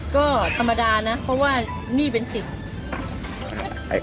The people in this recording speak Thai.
ก็ธรรมดานะเพราะว่าหนี้เป็นสิทธิ์